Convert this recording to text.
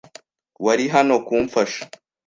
Wari hano kumfasha?